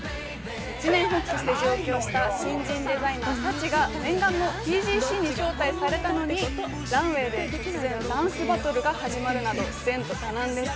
一念発起して上京した新人デザイナー・サチが、念願のＴＧＣに招待されたのにランウェイで突然ダンスバトルが始まるなど前途多難です。